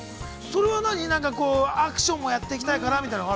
◆それは何、なんかアクションもやっていきたいからとか？